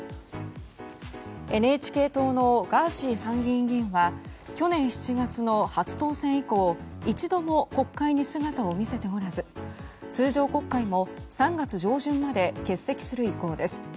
ＮＨＫ党のガーシー参議院議員は去年７月の初当選以降一度も国会に姿を見せておらず通常国会も３月上旬まで欠席する意向です。